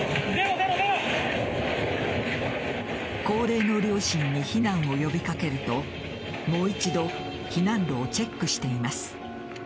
高齢の両親に避難を呼びかけるともう一度避難路をチェックしています。